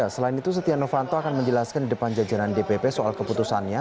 selain itu setehnovanto akan menjelaskan depan jajanan dpp soal keputusannya